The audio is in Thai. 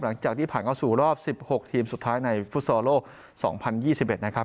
หลังจากที่ผ่านเข้าสู่รอบ๑๖ทีมสุดท้ายในฟุตซอลโลก๒๐๒๑นะครับ